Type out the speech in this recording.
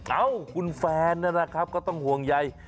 เอ้าคุณแฟนนะครับก็ต้องห่วงใย